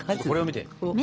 これを見て。